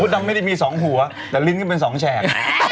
ดำไม่ได้มี๒หัวแต่ลิ้นก็เป็น๒แฉก